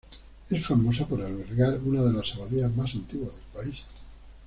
Es famosa por albergar una de las abadías más antiguas del país.